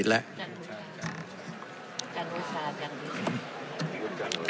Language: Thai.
และการโอชา